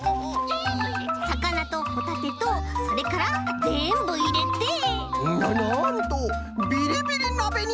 さかなとホタテとそれからぜんぶいれてななんとビリビリなべにへんしんじゃ！